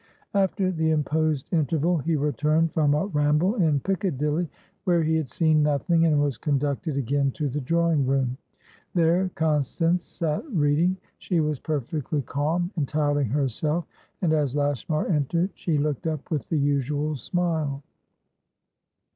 After the imposed interval, he returned from a ramble in Piccadilly, where he had seen nothing, and was conducted again to the drawing room. There Constance sat reading. She was perfectly calm, entirely herself, and, as Lashmar entered, she looked up with the usual smile.